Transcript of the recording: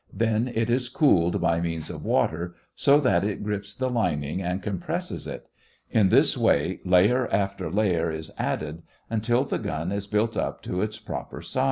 Then it is cooled by means of water, so that it grips the lining and compresses it. In this way, layer after layer is added until the gun is built up to the proper size.